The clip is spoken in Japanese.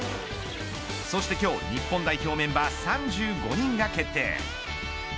そして今日、日本代表メンバー３５人が決定。